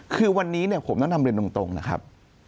คือวันนี้ผมต้องนำเรียนตรงนะครับ